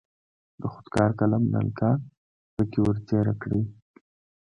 د خودکار قلم نلکه پکې ور تیره کړئ.